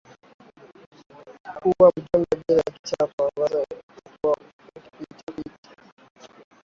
kuwa mjumbe bila kibali chake ama moja kwa moja au kupitia